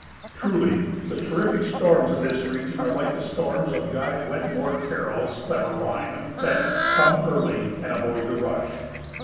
Truly the terrific storms of this region are like the storms of Guy Wetmore Carryl's clever rhyme that "come early and avoid the rush."